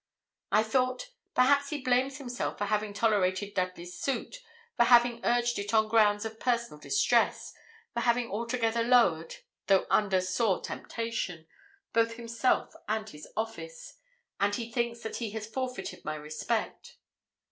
I thought, 'Perhaps he blames himself for having tolerated Dudley's suit for having urged it on grounds of personal distress for having altogether lowered, though under sore temptation, both himself and his office; and he thinks that he has forfeited my respect.'